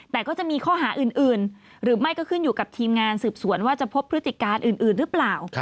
แต่ก็จะมีข้อหาอื่นหรือไม่ก็ขึ้นอยู่กับทีมงานสืบสวนว่าจะพบพฤติการอื่นหรือเปล่า